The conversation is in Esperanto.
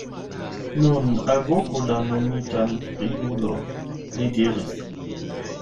Nun alvoku la nomitan Frigulo, li diris.